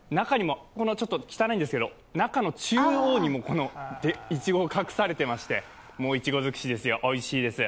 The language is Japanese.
中にも中央にもいちごが隠されてましていちご尽くしですよ、おいしいです。